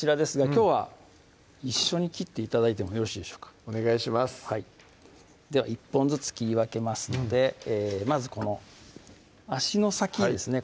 きょうは一緒に切って頂いてもよろしいでしょうかお願いしますでは１本ずつ切り分けますのでまずこの足の先ですね